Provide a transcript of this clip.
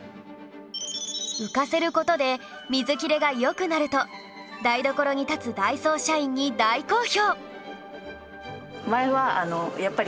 浮かせる事で水切れが良くなると台所に立つダイソー社員に大好評